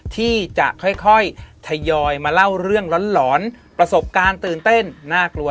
ที่จะค่อยทยอยมาเล่าเรื่องหลอนประสบการณ์ตื่นเต้นน่ากลัว